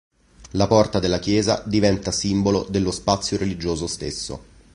La porta della chiesa diventa simbolo dello spazio religioso stesso.